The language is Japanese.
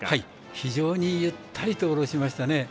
非常にゆったりと下ろしましたね。